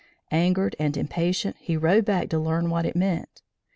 Angered and impatient, he rode back to learn what it meant.